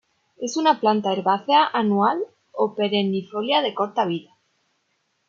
Es una planta herbácea anual o perennifolia de corta vida.